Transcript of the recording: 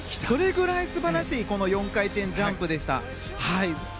それぐらい素晴らしい４回転ジャンプでした。